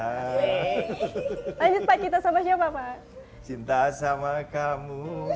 lanjut pak cinta sama siapa pak